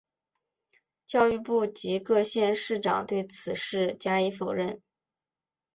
教育部及各县市长对此事加以否认。